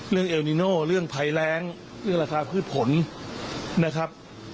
เอลนิโน่เรื่องภัยแรงเรื่องราคาพืชผลนะครับ